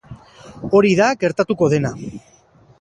Hori da gertatuko dena.